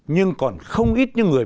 nhưng còn không ít những người